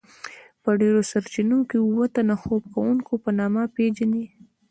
په ډیرو سرچینو کې اوه تنه خوب کوونکيو په نامه پیژني.